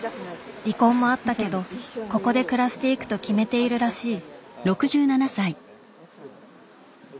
離婚もあったけどここで暮らしていくと決めているらしい。